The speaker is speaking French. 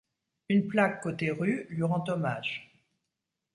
Une plaque côté rue lui rend hommage.